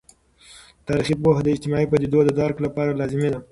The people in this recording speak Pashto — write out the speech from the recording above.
تاریخي پوهه د اجتماعي پدیدو د درک لپاره لازمي ده.